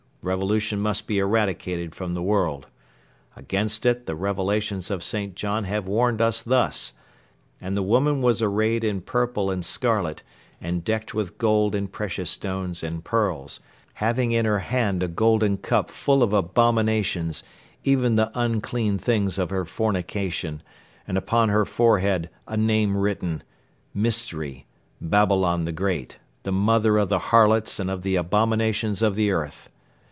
Revolution must be eradicated from the World. Against it the Revelations of St. John have warned us thus: 'And the woman was arrayed in purple and scarlet, and decked with gold and precious stones and pearls, having in her hand a golden cup full of abominations, even the unclean things of her fornication, and upon her forehead a name written, MYSTERY, BABYLON THE GREAT, THE MOTHER OF THE HARLOTS AND OF THE ABOMINATIONS OF THE EARTH.